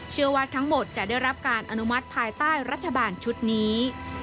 เชื่อว่าทั้งหมดจะได้รับการอนุมัติภายใต้รัฐบาลชุดนี้